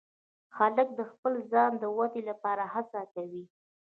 هلک د خپل ځان د ودې لپاره هڅه کوي.